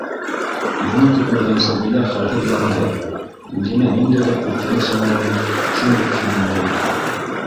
Быны көтмәгән Сәбилә хәлһеҙләнде, үҙенә ниндәйҙер ҡурҡыныс янауын шундуҡ һиҙенде: